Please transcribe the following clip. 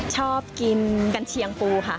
ชอบกินกัญเชียงปูค่ะ